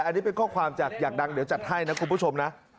อันนี้เป็นข้อความจากอยากดังเดี๋ยวจัดให้นะคุณผู้ชมนะ